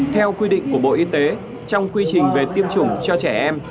theo quy định của bộ y tế trong quy trình về tiêm chủng cho trẻ em